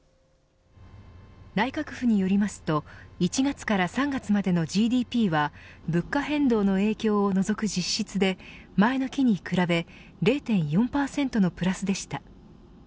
内閣府によりますと１月から３月までのＧＤＰは物価変動の影響を除く実質で前の期に比べ０．４％のプラスでした。